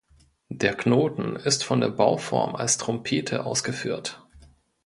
Der Knoten ist von der Bauform als Trompete ausgeführt.